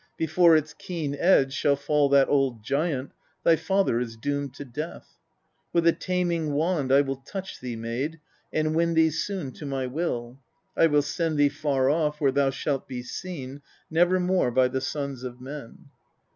Before its keen edge shall fall that old Giant, thy father is doomed to death. 26. With a taming wand I will touch thee, maid ! and win thee soon to my will. I will send thee far off where thou shalt be seen never more by the sons of men.